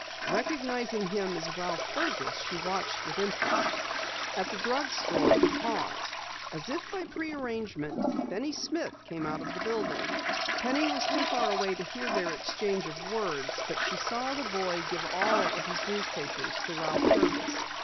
Recognizing him as Ralph Fergus, she watched with interest. At the drugstore he paused. As if by prearrangement, Benny Smith came out of the building. Penny was too far away to hear their exchange of words, but she saw the boy give all of his newspapers to Ralph Fergus.